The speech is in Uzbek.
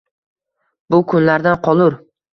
Bu kunlardan qolur